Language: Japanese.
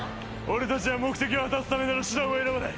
俺たちは目的を果たすためなら手段を選ばない。